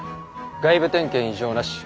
外部点検異常なし。